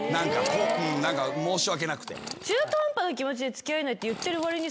何か申し訳なくて。